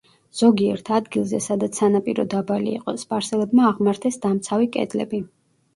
ზოგიერთ ადგილზე სადაც სანაპირო დაბალი იყო, სპარსელებმა აღმართეს დამცავი კედლები.